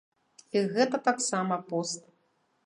І гэта таксама пост.